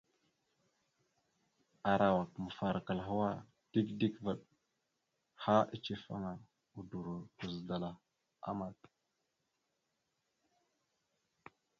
Arawak mafarakal hwa dik dik vvaɗ, ha icefaŋa, udoro guzədalah amat.